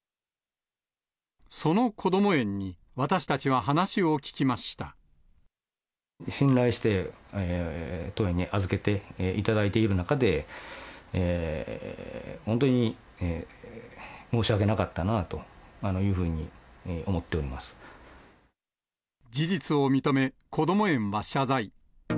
そのこども園に、私たちは話信頼して、当園に預けていただいている中で、本当に申し訳なかったなというふ事実を認め、こども園は謝罪。